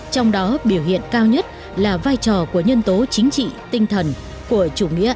trong đó biểu hiện cao nhất là vai trò của nhân tố chính trị tinh thần của chủ nghĩa